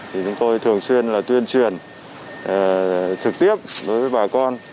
thì chúng tôi thường xuyên là tuyên truyền trực tiếp đối với bà con